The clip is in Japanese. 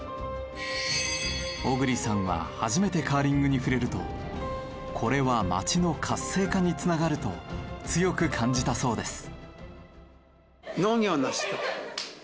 小栗さんは初めてカーリングに触れると「これは町の活性化につながる」と強く感じたそうです。